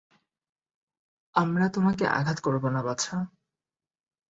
আমরা তোমাকে আঘাত করব না, বাছা।